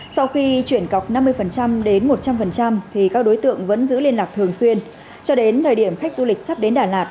sau khi chuyển cọc năm mươi đến một trăm linh thì các đối tượng vẫn giữ liên lạc thường xuyên cho đến thời điểm khách du lịch sắp đến đà lạt